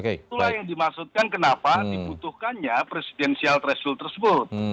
itulah yang dimaksudkan kenapa dibutuhkannya presidensial threshold tersebut